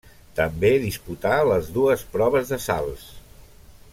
També disputà les dues proves de salts.